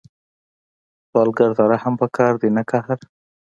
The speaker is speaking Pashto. سوالګر ته رحم پکار دی، نه قهر